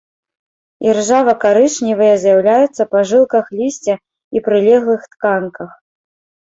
Іржава-карычневыя з'яўляюцца па жылках лісця і прылеглых тканках.